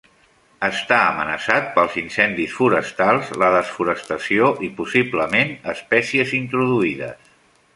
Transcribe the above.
Està amenaçat pels incendis forestals, la desforestació i, possiblement, espècies introduïdes.